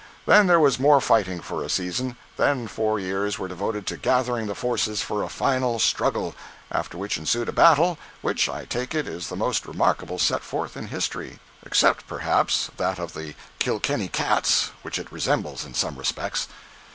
Then there was more fighting for a season; then four years were devoted to gathering the forces for a final struggle—after which ensued a battle, which, I take it, is the most remarkable set forth in history,—except, perhaps, that of the Kilkenny cats, which it resembles in some respects.